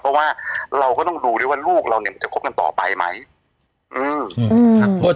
เพราะว่าเราก็ต้องดูด้วยว่าลูกเราเนี่ยมันจะคบกันต่อไปไหมอืม